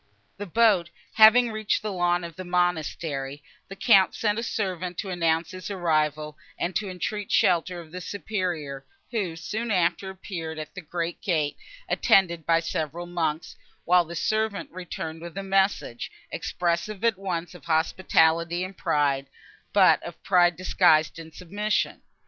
The boat having reached the lawn before the monastery, the Count sent a servant to announce his arrival, and to entreat shelter of the Superior, who, soon after, appeared at the great gate, attended by several monks, while the servant returned with a message, expressive at once of hospitality and pride, but of pride disguised in submission.